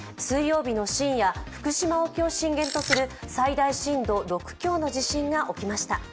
水曜日の深夜、福島沖を震源とする最大震度６強の地震が起きました。